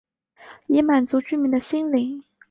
以满足居民的心灵